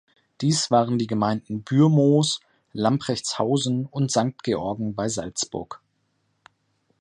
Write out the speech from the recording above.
Diese waren die Gemeinden Bürmoos, Lamprechtshausen und Sankt Georgen bei Salzburg.